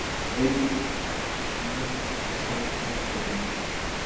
Ez zuen uste inork ezagutuko zuenik.